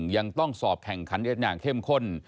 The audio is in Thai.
ยังต้องสอบแข่งขันกันอย่างเข้มข้น